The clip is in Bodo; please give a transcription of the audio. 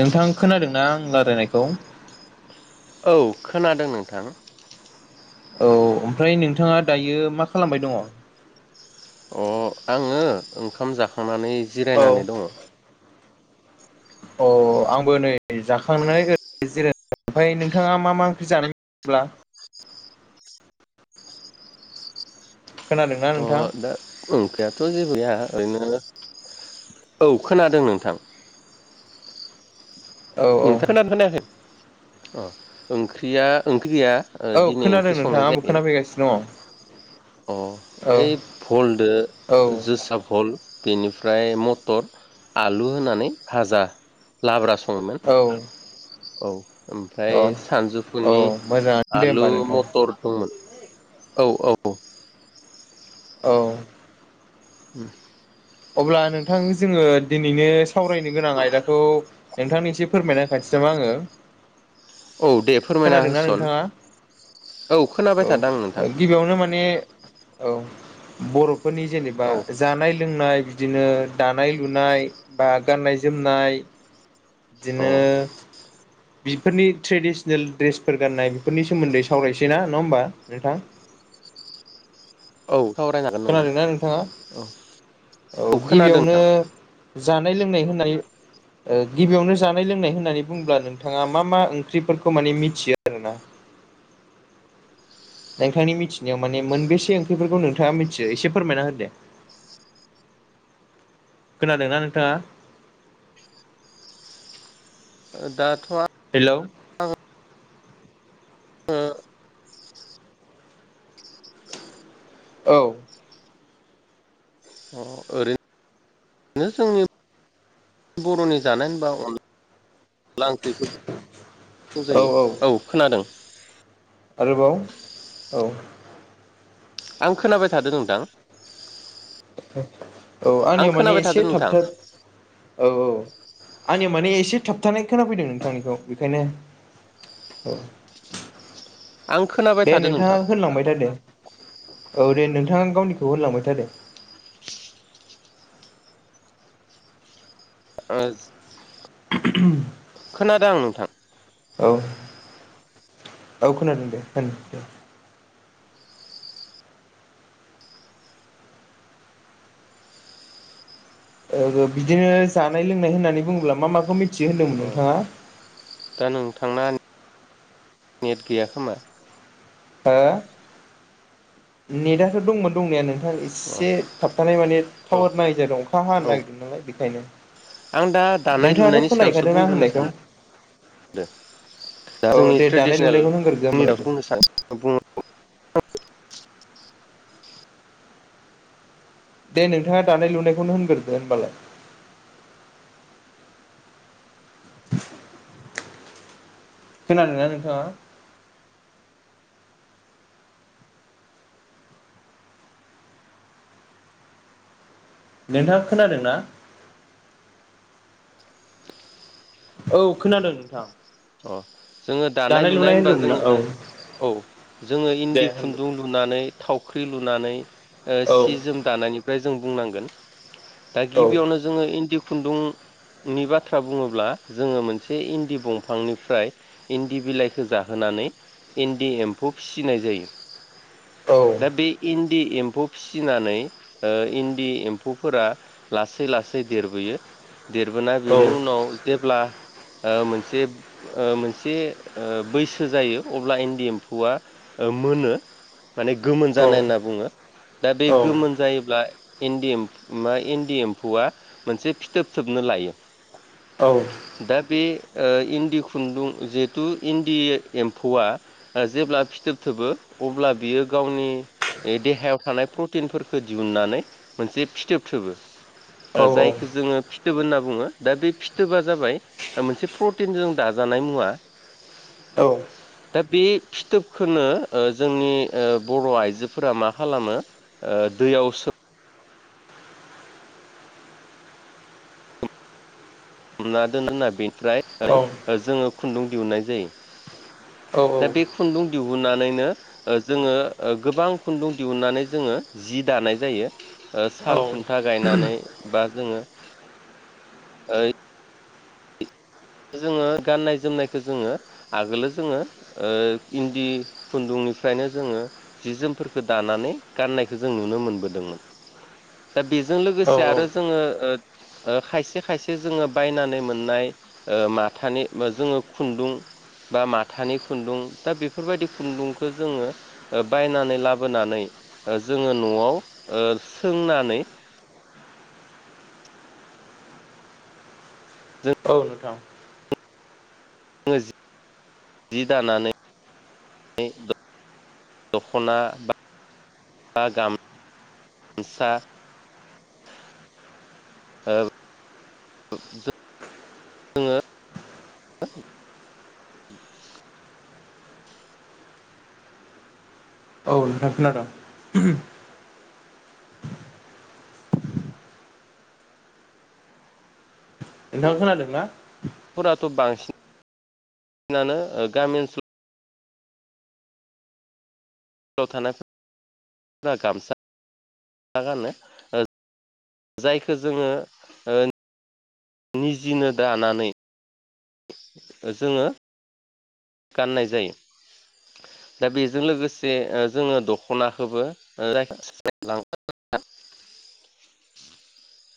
नोंथां खोनादोंना आं रायलायनायखौ? औ खोनादों नोंथां। औ ओमफ्राय नोंथाङा दायो मा खालामबाय दङ? अ आङो ओंखाम जाखांनानै जिरायनानै दङ। अ आंबो नै जाखांनानै जिराय ओमफ्राय नोंथाङा मा मा ओंख्रि जानाय [inaudible] खोनादोंना अ नोंथां दा ओं ख्रियाथ' जेबो गैया ओरैनो औ खोनादों नोंथां। औ औ नोंथांखौ लनानै हानायायाखै अ ओंख्रिया बि गैया औ दिनै खोनादों ओंख्रि नोंथां संनाय आंबो जायाखै। खोनाफैगासिनो दङ अ औ ओइ भलदो औ जोसा भल। बेनिफ्राय मटर आलु होनानै भाजा लाब्रा सङोमोन औ औ ओमफ्राय औ औ सानजौफुनि मोजाङानो दे होमबा आलु नोंथां मथर दंमोन। औ औ। औ [inaudible] अब्ला नोंथां जोङो दिनैनो सावरायनो गोनां आयदाखौ नोंथांनिसि फोरमायना खाथि नामा आङो। औ दे फोरमायना खोनादोंना होसन। नोंथाङा खोनाबाय औ थादों आं नोंथां गिबियावनो माने औ बर'फोरनि जेनेबा औ जानाय लोंनाय बिदिनो दानाय लुनाय बा गाननाय जोमनाय अ बिदिनो बिफोरनि ट्रेडिसनेल ड्रेसफोर गाननाय बेफोरनि सोमोन्दै सावरायसै ना नङा होमबा नोंथां‌ [inaudible] औ सावरायनो हागोन नोंथां खोनादोंना नोंथाङा औ औ खोनादों गिबियावनो नोंथां जानाय लोंनाय होननानै ओ गिबियावनो जानाय लोंनाय होननानै बुंङोब्ला नोंथाङा मा मा ओंख्रिफोरखौ माने मिथियो। [inaudible] नोंथांनि मिथिनायाव माने मोनबेसे ओंख्रिफोरखौ नोंथाङा मिथियो एसे फोरमायना हो दे। [inaudible] खोनादोंना नोंथाङा? दाथ' हेलौ। ओ। औ। अ ओरै नो जोंनि बर'नि जानाय होनबा अन ला ओंख्रिखौ बुंजायो औ खोनादों। आरोबाव औ। आं खोनाबाय थादों नोंथां। औ आं आंनियाव माने खोनाबाय एसे थादों थाब नोंथां था औ औ आंनियाव माने एसे थाबथानाय खोनाफैदों नोंथांनिखौ बेखायनो औ। आं खोनाबाय दे थादों नोंथां नोंथाङा होनलांबाय था दे। औ दे नोंथाङा गावनिखौ होनलांबाय थादे। आज [unintelligible] खोनादां नोंथां। औ औ खोनादों दे होन दे। बिदिनो जानाय लोंनाय होननानै बुङोब्ला मा माखौ मिथ औ दा नोंथांना नेट गैया खोमा। हो नेटाथ' दंमोन दंनायानो। ना अ एसे थाबथानाय माने औ टावार नाङि जादों अखा हानो औ नागिरदों नालाय बेखायनो। आं दा दानाय नोंथाङाथ' लुनायनि सायावसो खोनाहैखादों आं बुंग्रोनो होननायखौ सानदों। दा औ जोंनि दे दानाय ट्रेडिसनेल लुनायखौनो होनग्रोदो जोंनि होमबालाय दे दसो बुंनो सानो। [inaudible] दे नोंथाङा दानाय लुनायखौनो होनग्रोदो होमबालाय। खोनादों ना नोंथाङा? नोंथाङा खोनादों ना? औ खोनादों नोंथां। अह। जोङो दानाय लुनाय होनबा होनदोंमोन ना? जोङो औ औ जोङो दे इन्दि होनदो खुन्दुं लुनानै थावख्रि लुनानै औ सि जोम दानायनिफ्राय जों बुंनांगोन। दा औ गिबियावनो जोङो इन्दि खुन्दुंनि बाथ्रा बुङोब्ला जोङो मोनसे इन्दि बंफ फांनिफ्राय इन्दि बिलाइखौ जाहोनानै इन्दि एम्फौ फिसिनाय जायो। औ दा बे इन्द इन्दि एम्फौ फिसिनानै इन्दि एम्फौफोरा लासै लासै देरबोयो। देरबोना औ बेनि उनाव जेब्ला मोनसे मोनसे बैसो जायो अब्ला इन्दि एम्फौआ मोनो माने गोमोन जानाय होनना बुङो दा बे गोमोन जायोब्ला इन्दि मा इन्दि एम्फौआ मोनसे फिथोब थोबनो लायो। दा बे इन्दि खुन्दुं जिहेथु इन्दि एम्फौआ जेब्ला फिथोब थोबो अब्ला बियो गावनि देहायाव थानाय प्रटिनफोरखौ दिहुनन्नानै मोनसे फिथोब थोबो। जायखौ जोङो फिथ फिथोब होनना बुङो दा बे फिथोबा जाबाय मोनसे प्रटिनजों दाजानाय मुवा। औ दा बे फिथोबखो अ जोंनि बर' आइजोफोरा मा खालामो दैयाव सो मना दोना बेनिफ्राय जोङो खुन्दुं दिहुुननाय जायो। दा औ बे खुन्दुं दिहुननानैनो जोङो गोबां खुन्दुं दिहुनन्नानै जोङो जि दानाय जायो।। साल औ खुन्था गायनानै बा जोङो [inaudible] ओ जोङो गाननाय जोमनायखौ जोङो आगोलोव जोङो इन्दि खुन्दुं निफ्रायनो जोङो जि जोमफोरखौ दानानै गाननायखौ जों नुनो मोनबोदोंमोन‌। [inaudible] दा बेजों औ लोगोसे आरो जोङो खायसे खायसे जोङो बायनानै मोननाय। माथानि जोङो खुन्दुं बा माथानि खुन्दुं दा बेफोरबायदि खुन्दुंखौ जोङो बायनानै लाबोनानै जोङो न'आव सोंनानै [inaudible] औ नोंथां। जोङो जि दानानै दख'ना बा बा गाम हामसा [inaudible] ओ [inaudible] औ नोंथां खोनादों। नोंथां खोनादोंना? थ' बांसिन नानो गामि ओनसोल स्लाव थानायफोरा गामसा गानो ओ जायखौ जोङो ओ निजिनो दानानै [inaudible] जोङो गाननाय जायो दा बेजों लोगोसे जोङो दख'नाखौबो [unintelligible] [unintelligible] [inaudible]